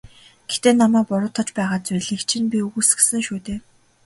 Гэхдээ намайг буруутгаж байгаа зүйлийг чинь би үгүйсгэсэн шүү дээ.